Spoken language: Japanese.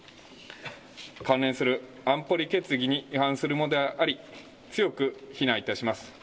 関連する安保理決議に違反するものであり、強く非難いたします。